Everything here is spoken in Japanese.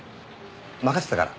任せたから。